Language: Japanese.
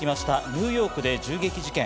ニューヨークで銃撃事件。